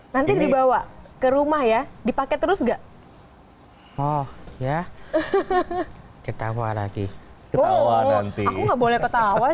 nanti dibawa ke rumah ya dipakai terus enggak oh ya ketawa lagi wow aku nggak boleh ketawa